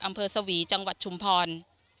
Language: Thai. อำเภอเซอีเจ้าหวัดชุมพร